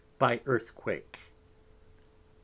by Earthquake. 6.